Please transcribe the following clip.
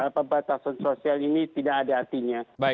pembatasan sosial ini tidak ada artinya